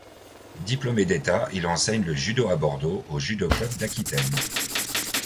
Diplômé d'état il enseigne le Judo à Bordeaux au Judo Club d'Aquitaine.